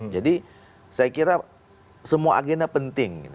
jadi saya kira semua agenda penting